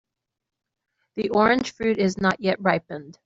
The orange fruit is not yet ripened.